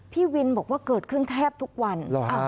พี่วินบอกว่าเกิดขึ้นแทบทุกวัน